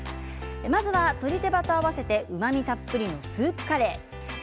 まずは鶏手羽と合わせてうまみたっぷりのスープカレー